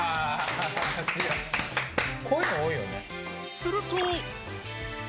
すると。